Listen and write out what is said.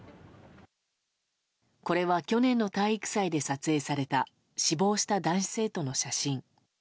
これは去年の体育祭で撮影された死亡した男子生徒の写真。